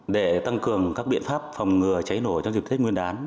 để tăng cường các biện pháp phòng ngừa cháy nổ trong dịp tết nguyên đán